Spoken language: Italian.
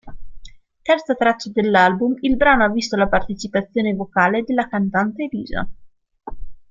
Terza traccia dell'album, il brano ha visto la partecipazione vocale della cantante Elisa.